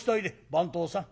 「番頭さん」。